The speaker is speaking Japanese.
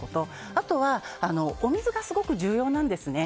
あとはお水がすごく重要なんですね。